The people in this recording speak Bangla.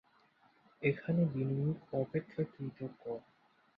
এখানে বিনিয়োগ অপেক্ষাকৃত কম।